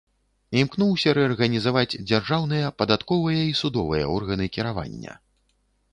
Імкнуўся рэарганізаваць дзяржаўныя, падатковыя і судовыя органы кіравання.